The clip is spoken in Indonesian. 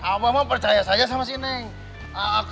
abang mah percaya sama si neng